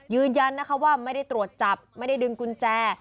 ยืนยันนะคะว่าไม่ได้ตรวจจับไม่ได้ดึงกุญแจ